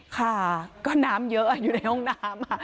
ค่ะก็น้ำเยอะอยู่ในห้องน้ำ